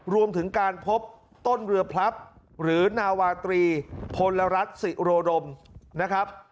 รวมถึงการพบต้นเรือพลับหรือนาวาตรีพลรัฐศิโรดมนะครับ